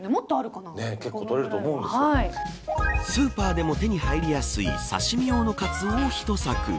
スーパーでも手に入りやすい刺し身用のカツオを一さく。